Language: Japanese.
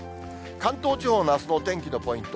関東地方のあすのお天気のポイント。